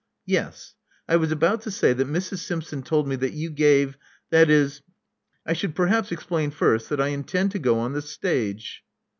Yes. I was about to say that Mrs. Simpson told me that you gave — ^that is . I should perhaps explain first that I intend to go on the stage."